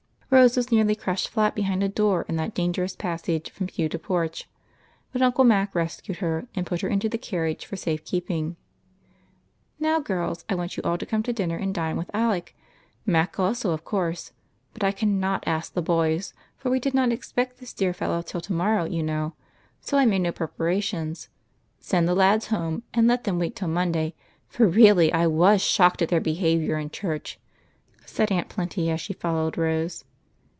Rose was nearly crushed flat behind a door in that danger ous passage from pew to porch ; but Uncle Mac res cued her, and jDut her into the carriage for safe keeping. " Now, girls, I want you all to come and dine with Alec ; Mac also, of course. But I cannot ask the boys, for we did not expect this dear fellow till to morrow, you know, so I made no preparations. Send the lads home, and let them wait till Monday, for really I was shocked at their behavior in church," said Aunt Plenty, as she followed Rose.